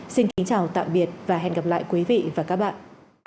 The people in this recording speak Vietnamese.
xin kính chào tạm biệt và hẹn gặp lại quý vị và các bạn